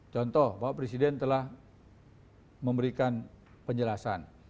contoh bapak presiden telah memberikan penjelasan